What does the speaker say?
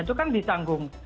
itu kan ditanggung